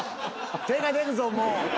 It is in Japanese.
手が出るぞもう。